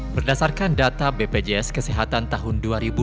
berdasarkan data bpjs kesehatan tahun dua ribu dua puluh